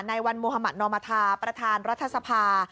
ในวันมุธมัธนอมธาประธานรัฐสภา